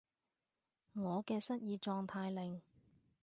我嘅失業狀態令